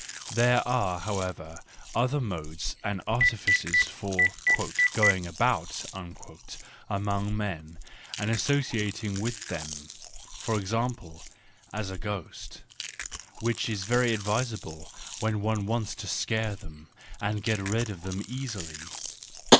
There are however other modes and artifices for "going about" among men and associ¬ ating with them: for example, as a ghost,—which is very advisable when one wants to scare them, and get rid of them easily.